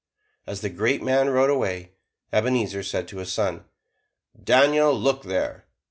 As the great man rode away, Ebenezer said to his son: "Daniel, look there!